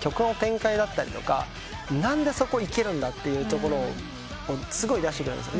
曲の展開だったりとか「何でそこいけるんだ？」っていうところをすごい出してくるんです。